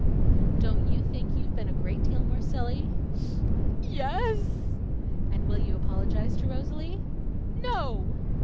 "Don't you think you've been a great deal more silly?" "Y yes." "And will you apologize to Rosalie?" "No!"